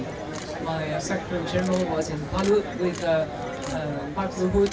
yang telah menderita penyakit nasional yang baru terjadi di lombok dan sulawesi